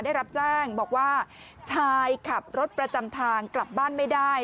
ได้รับแจ้งบอกว่าชายขับรถประจำทางกลับบ้านไม่ได้